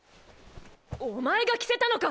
おまえが着せたのか！